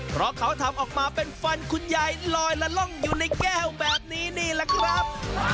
เพราะเขาทำออกมาเป็นฟันคุณยายลอยละล่องอยู่ในแก้วแบบนี้นี่แหละครับ